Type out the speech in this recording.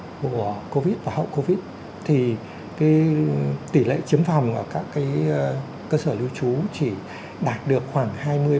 trong thời gian của covid và hậu covid thì cái tỷ lệ chiếm phòng ở các cái cơ sở lưu trú chỉ đạt được khoảng hai mươi ba mươi